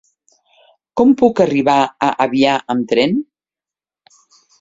Com puc arribar a Avià amb tren?